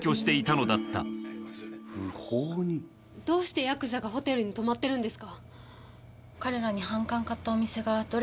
どうしてヤクザがホテルに泊まってるんですか？